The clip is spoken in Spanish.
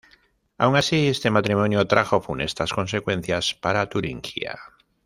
Aun así este matrimonio trajo funestas consecuencias para Turingia.